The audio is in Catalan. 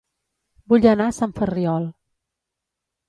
Vull anar a Sant Ferriol